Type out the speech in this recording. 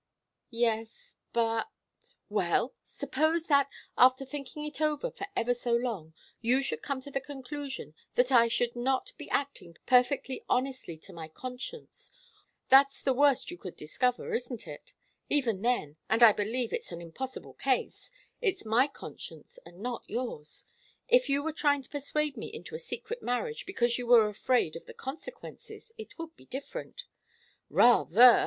"Yes but " "Well? Suppose that, after thinking it over for ever so long, you should come to the conclusion that I should not be acting perfectly honestly to my conscience that's the worst you could discover, isn't it? Even then and I believe it's an impossible case it's my conscience and not yours. If you were trying to persuade me to a secret marriage because you were afraid of the consequences, it would be different " "Rather!"